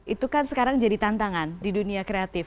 itu kan sekarang jadi tantangan di dunia kreatif